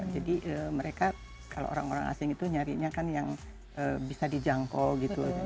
jadi mereka kalau orang orang asing itu nyari kan yang bisa dijangkau gitu